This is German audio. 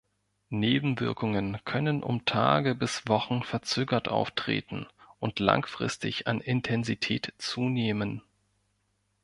Nebenwirkungen können um Tage bis Wochen verzögert auftreten und langfristig an Intensität zunehmen.